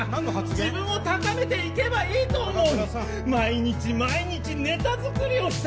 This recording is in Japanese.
自分を高めていけばいいと思って毎日毎日ネタ作りをした！